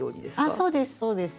あっそうですそうです。